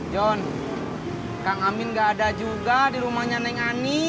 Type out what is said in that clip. john kang amin gak ada juga di rumahnya neng ani